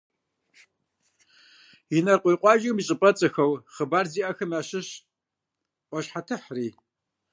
Инарыкъуей къуажэм и щӏыпӏэцӏэхэу хъыбар зиӏэхэм ящыщщ «ӏуащхьэтыхьри».